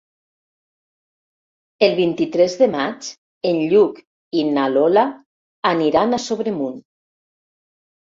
El vint-i-tres de maig en Lluc i na Lola aniran a Sobremunt.